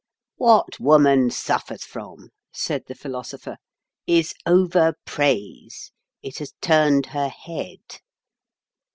II "WHAT woman suffers from," said the Philosopher, "is over praise. It has turned her head."